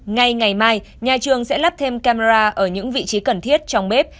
ngay ngày mai nhà trường sẽ lắp thêm camera ở những vị trí cần thiết trong bếp